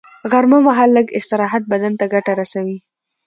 غرمه مهال لږ استراحت بدن ته ګټه رسوي